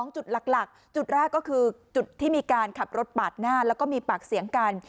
จุดหลักจุดแรกก็คือจุดที่มีการขับรถปาดหน้าแล้วก็มีปากเสียงกัน